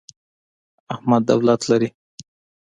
احمد دولت لري.